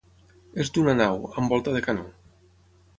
És d'una nau, amb volta de canó.